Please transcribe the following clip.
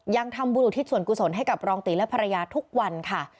ยังทำบุญอุทิศส่วนกุศลให้กับรองตีและภรรยาทุกวันค่ะ